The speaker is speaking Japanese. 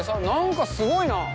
なんかすごいな。